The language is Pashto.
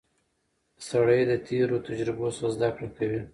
سړی د تېرو تجربو څخه زده کړه کوي